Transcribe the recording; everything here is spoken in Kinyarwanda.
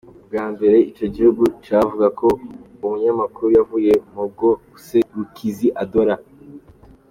Ubwa mbere ico gihugu cavuga ko uwo munyamakuru yavuye mw'ubwo buserukizi adora.